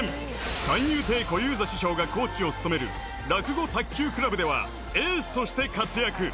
三遊亭小遊三師匠がコーチを務めるらくご卓球クラブではエースとして活躍。